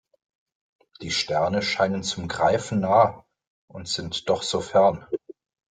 Die Sterne scheinen zum Greifen nah und sind doch so fern.